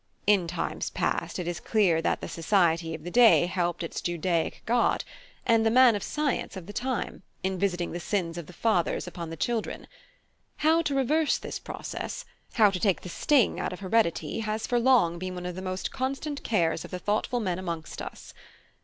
In times past, it is clear that the 'Society' of the day helped its Judaic god, and the 'Man of Science' of the time, in visiting the sins of the fathers upon the children. How to reverse this process, how to take the sting out of heredity, has for long been one of the most constant cares of the thoughtful men amongst us.